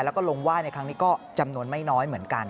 แล้วก็ลงไหว้ในครั้งนี้ก็จำนวนไม่น้อยเหมือนกัน